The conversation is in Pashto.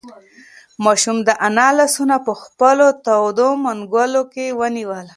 ماشوم د انا لاسونه په خپلو تودو منگولو کې ونیول.